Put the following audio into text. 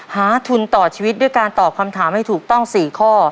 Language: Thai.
หาทุนต่อชีวิตด้วยการตอบคำถามให้ถูกต้อง๔ข้อ